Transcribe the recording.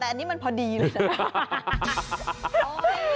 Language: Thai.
แต่อันนี้มันพอดีเลยนะ